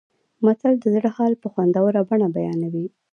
متل د زړه حال په خوندوره بڼه بیانوي